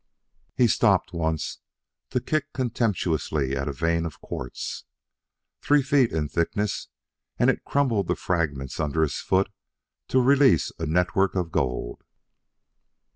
He stopped once to kick contemptuously at a vein of quartz. Three feet in thickness and it crumbled to fragments under his foot to release a network of gold.